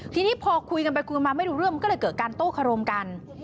ทีนี้พอคุยกันไปคุยกันมาไม่รู้เรื่องมันก็เลยเกิดการโต้ครมกัน